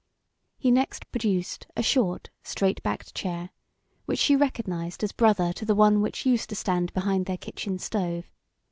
He next produced a short, straight backed chair which she recognised as brother to the one which used to stand behind their kitchen stove.